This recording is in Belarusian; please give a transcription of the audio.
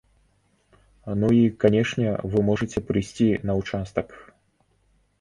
Ну і, канешне, вы можаце прыйсці на ўчастак.